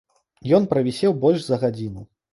Ён правісеў больш за гадзіну.